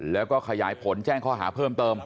แล้วก็ขยายผลแจ้งข้อหาเพิ่มเติม